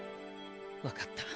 分かった。